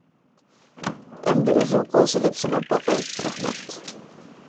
ئەمدى ئۆزۈم قول سېلىپ سىناپ باقاي، رەھمەت!